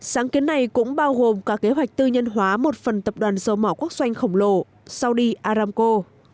sáng kiến này cũng bao gồm cả kế hoạch tư nhân hóa một phần tập đoàn dầu mỏ quốc doanh khổng lồ saudi aramco